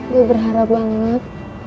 gue berharap banget